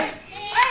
はい！